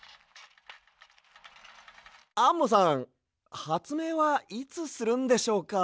アンモさんはつめいはいつするんでしょうか？